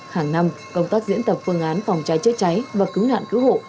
hàng năm công tác diễn tập phương án phòng cháy chữa cháy và cứu nạn cứu hộ